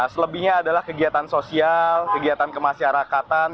selebihnya adalah kegiatan sosial kegiatan kemasyarakatan